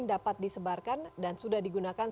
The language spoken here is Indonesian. dan juga ketua umum ikt